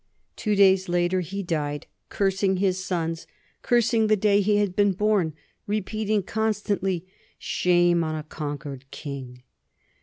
Two days later he died, cursing his sons, cursing the day he had been born, repeating constantly, "Shame on a conquered king."